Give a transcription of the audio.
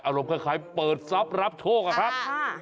อารมณ์คล้ายเปิดทรัพย์รับโชคอะครับ